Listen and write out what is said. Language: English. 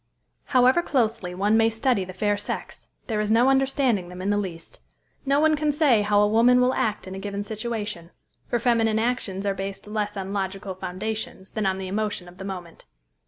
However closely one may study the fair sex, there is no understanding them in the least. No one can say how a woman will act in a given situation; for feminine actions are based less on logical foundations than on the emotion of the moment.